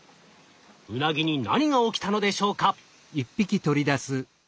ウナギに何が起きたのでしょうか？